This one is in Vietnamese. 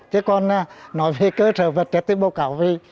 chứ còn là